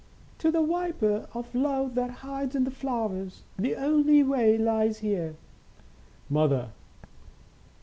" To the viper of love that hides in the flowers The only way lies here." Mother.